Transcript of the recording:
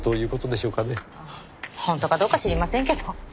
本当かどうか知りませんけど。